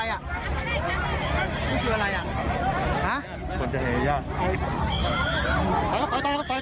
อย่าถอดดูจริงจังหวะนี่